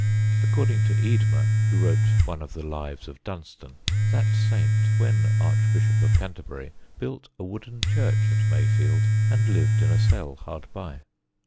According to Eadmer, who wrote one of the lives of Dunstan, that Saint, when Archbishop of Canterbury, built a wooden church at Mayfield and lived in a cell hard by.